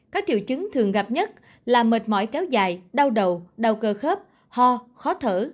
các triệu chứng thường gặp nhất là mệt mỏi kéo dài đau đầu đau cơ khớp ho khó thở